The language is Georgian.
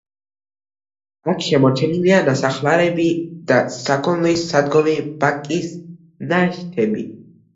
აქ შემორჩენილია ნასახლარები და საქონლის სადგომი ბაკის ნაშთები.